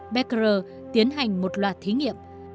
beckerer tiến hành một loạt thí nghiệm